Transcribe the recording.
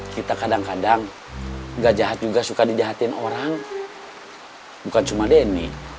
kita kadang kadang gak jahat juga suka dijahatin orang bukan cuma denny